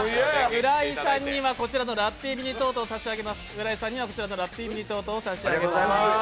浦井さんにはこちらのラッピーミニトートを差し上げます。